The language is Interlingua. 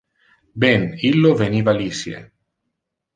Ben, illo veniva lisie.